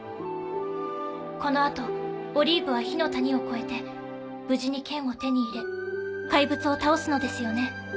この後オリーブは火の谷を越えて無事に剣を手に入れ怪物を倒すのですよね？